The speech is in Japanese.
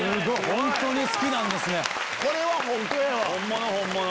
本当に好きなんですね。